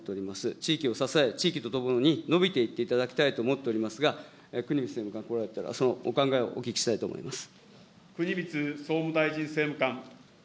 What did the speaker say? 地域を支え、地域とともに伸びていっていただきたいと思っておりますが、国光さんに、そのお考えをお聞きしたいと思います。